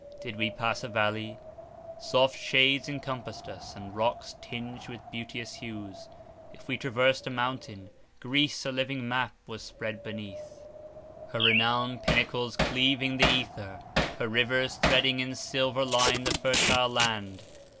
Did we pass a valley? Soft shades encompassed us, and rocks tinged with beauteous hues. If we traversed a mountain, Greece, a living map, was spread beneath, her renowned pinnacles cleaving the ether; her rivers threading in silver line the fertile land.